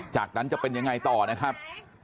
จากนั้นจะเป็นยังไงต่อนะครับ